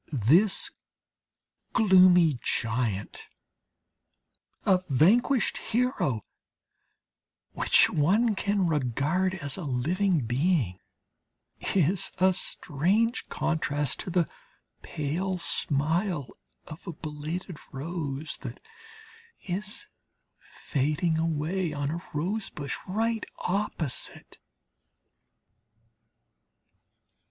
This gloomy giant a vanquished hero which one can regard as a living being, is a strange contrast to the pale smile of a belated rose that is fading away on a rose bush right opposite.